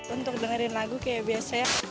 untuk dengerin lagu kayak biasa